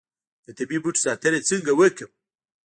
د طبیعي بوټو ساتنه څنګه وکړم؟